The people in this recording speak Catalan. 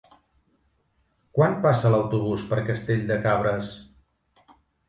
Quan passa l'autobús per Castell de Cabres?